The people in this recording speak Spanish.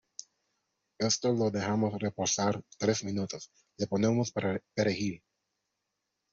esto lo dejamos reposar tres minutos, le ponemos perejil